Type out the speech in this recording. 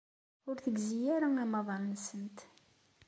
Ur tegzi ara amaḍal-nsent.